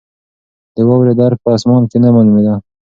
د واورې درک په اسمان کې نه معلومېده.